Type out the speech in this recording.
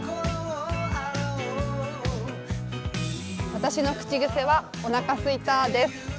私の口癖は、おなかすいたです。